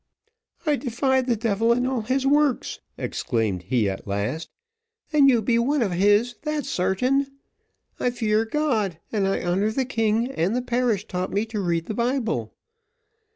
"I defy the devil and all his works," exclaimed he, at last, "and you be one of his, that's sartain. I fear God, and I honour the king, and the parish taught me to read the bible.